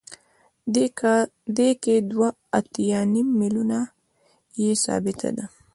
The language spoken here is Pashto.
دې کې دوه اتیا نیم میلیونه یې ثابته ده